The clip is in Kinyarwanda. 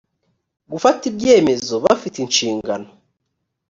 gufata ibyemezo bafite inshingano